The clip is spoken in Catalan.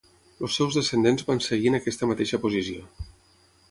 Els seus descendents van seguir en aquesta mateixa posició.